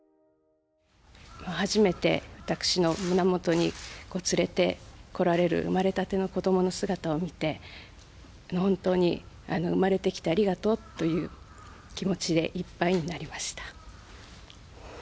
初めて私の胸元に連れて来られる生まれたての子供の姿を見て本当に生まれてきてありがとうという気持ちでいっぱいになりました。